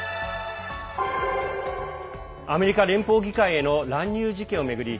アメリカ連邦議会への乱入事件を巡り